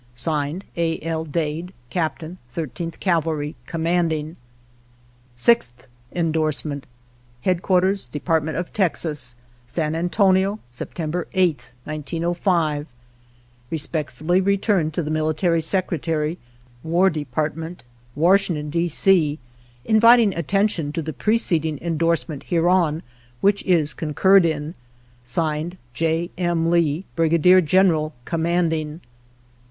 (Signed) A. L. Dade, Captain, 13th Cavalry, Commanding. 6th Endorsement. Headquarters Dept. of Texas, San Antonio, September 8th, 1905. Respectfully returned to the Military Secretary, xvii INTRODUCTORY War Department, Washington, D. C, inviting at tention to the preceding endorsement hereon, which is concurred in. (Signed) J. M. Lee, Brigadier General, Commanding.